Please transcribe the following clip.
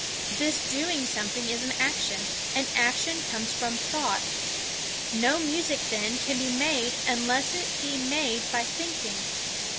This doing something is an action, and action comes from thought. No music, then, can be made unless it be made by thinking.